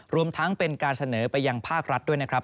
รวมทั้งเป็นการเสนอไปยังภาครัฐด้วยนะครับ